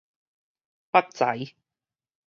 腹臍